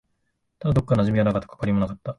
ただ、どこか馴染みがなかった。関わりもなかった。